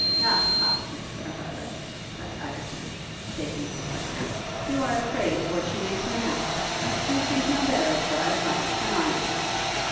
'Ah ha, Mr Harleigh!' cried Ireton, shaking his head, 'you are afraid of what she may turn out! You think no better of her, at last, than I do.'